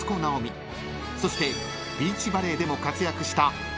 ［そしてビーチバレーでも活躍した］